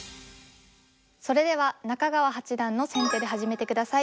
それでは中川八段の先手で始めてください。